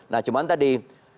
nah cuman tadi